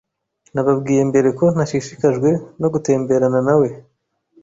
Nababwiye mbere ko ntashishikajwe no gutemberana nawe.